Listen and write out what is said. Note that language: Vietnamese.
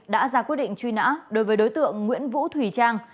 đã ra quy định truy nã đối với đối tượng nguyễn vũ thùy trang